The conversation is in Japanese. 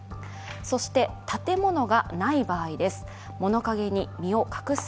そして建物がない場合です。